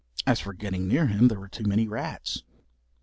As for getting near him there were too many rats.